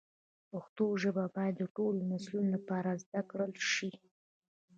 پښتو ژبه باید د ټولو نسلونو لپاره زده کړل شي.